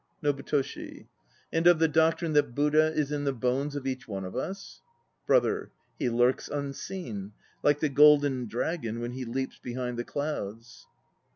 NOBUTOSHI. And of the doctrine that Buddha is in the bones of each one of us ...? BROTHER. He lurks unseen; like the golden dragon 1 when he leaps behind the clouds.